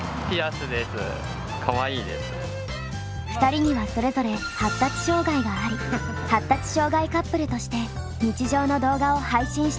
２人にはそれぞれ発達障害があり発達障害カップルとして日常の動画を配信しています。